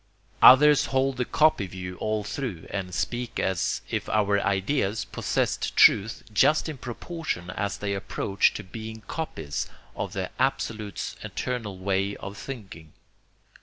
Others hold the copy view all through, and speak as if our ideas possessed truth just in proportion as they approach to being copies of the Absolute's eternal way of thinking.